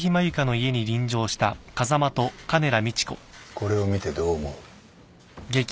これを見てどう思う？